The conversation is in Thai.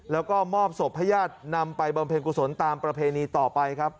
แล้วก็มอบศพให้ญาตินำไปบำเพ็ญกุศลตามประเพณีต่อไปครับ